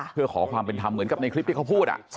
เพื่อขอความเป็นธรรมเหมือนกับในคลิปที่เขาพูด